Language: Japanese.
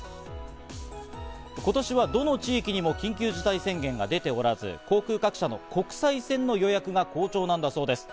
今年は、どの地域にも緊急事態宣言が出ておらず、航空各社の国際線の予約が好調です。